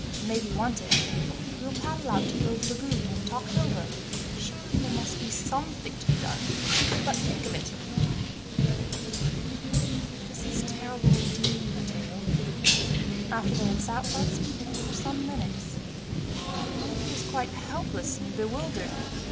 It may be wanted. We will paddle out to the lagoon and talk it over. Surely there must be something to be done, if we could but think of it. "This is terrible, indeed, Matteo," he repeated, after they had sat without speaking for some minutes. "One feels quite helpless and bewildered.